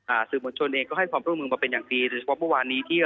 สื่อมวลชนเองก็ให้ความร่วมมือมาเป็นอย่างดีโดยเฉพาะเมื่อวานนี้ที่